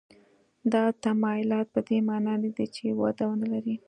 دا تمایلات په دې معنا نه دي چې وده نه لري.